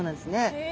へえ。